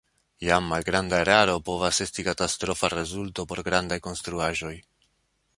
Jam malgranda eraro povas esti katastrofa rezulto por grandaj konstruaĵoj.